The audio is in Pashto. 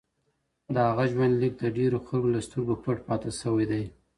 د هغه ژوندلیک د ډېرو خلکو له سترګو پټ پاتې شوی دی.